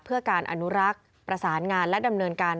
เพื่อการอนุรักษ์ประสานงานและดำเนินการ